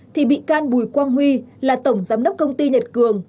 thì bị can bùi quang huy là tổng giám đốc công ty nhật cường